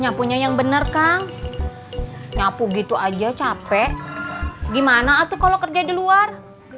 nyapunya yang benar kang nyapu gitu aja capek gimana atau kalau kerja di luar